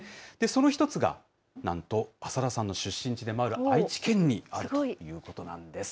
その１つが、なんと浅田さんの出身地でもある、愛知県にあるということなんです。